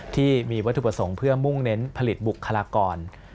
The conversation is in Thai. ที่มีวัตถุประสงค์เพื่อมุ่งเน้นผลิตบุคลากร